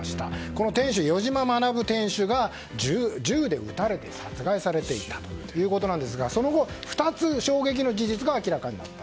この店主、余嶋学店主が銃で撃たれて殺害されていたということなんですがその後２つ衝撃の事実が明らかになった。